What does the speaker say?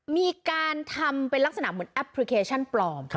มีการทำเป็นลักษณะเหมือนแอปพลิเคชันปลอม